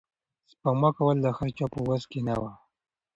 سپما کول د هر چا په وس کې نه وي.